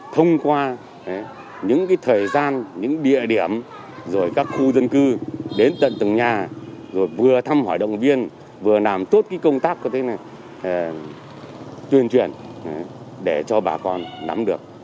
thông qua những thời gian những địa điểm các khu dân cư đến tận từng nhà vừa thăm hỏi động viên vừa làm tốt công tác tuyên truyền để cho bà con nắm được